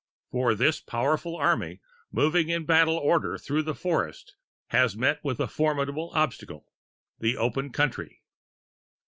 For this powerful army, moving in battle order through a forest, has met with a formidable obstacle the open country.